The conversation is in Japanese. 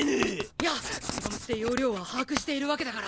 いや黒鞭で要領は把握しているわけだから。